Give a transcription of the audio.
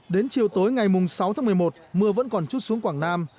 đến chiều tối ngày sáu tháng một mươi một mưa vẫn còn chút xuống quảng nam